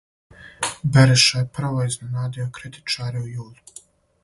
Бериша је прво изненадио критичаре у јулу.